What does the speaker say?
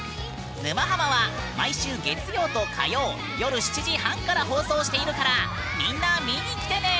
「沼ハマ」は毎週月曜と火曜夜７時半から放送しているからみんな見にきてね！